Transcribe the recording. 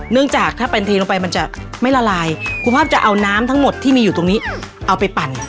เนื่องจากถ้าเป็นเทลงไปมันจะไม่ละลายคุณภาพจะเอาน้ำทั้งหมดที่มีอยู่ตรงนี้เอาไปปั่น